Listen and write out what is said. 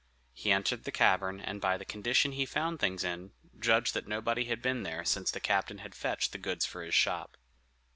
He entered the cavern and by the condition he found things in, judged that nobody had been there since the captain had fetched the goods for his shop.